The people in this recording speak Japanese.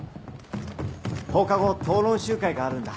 放課後討論集会があるんだ。